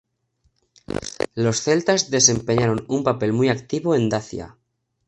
Los celtas desempeñaron un papel muy activo en Dacia.